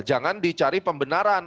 jangan dicari pembenaran